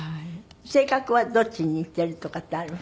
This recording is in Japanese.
性格はどっちに似てるとかってある？